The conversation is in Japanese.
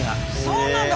そうなんだ。